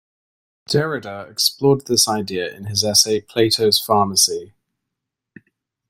Derrida explored this idea in his essay "Plato's Pharmacy".